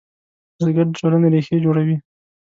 بزګر د ټولنې ریښې جوړوي